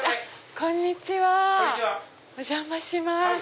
こんにちはお邪魔します。